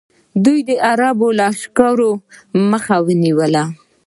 دوی د عربو د لښکرو مخه ونیوله